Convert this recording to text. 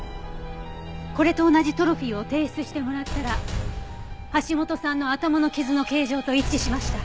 これと同じトロフィーを提出してもらったら橋本さんの頭の傷の形状と一致しました。